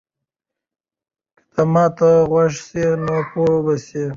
که ته ما ته غوږ سې نو پوه به سې.